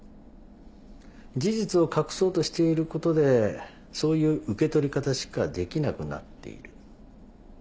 事実を隠そうとしていることでそういう受け取り方しかできなくなっている。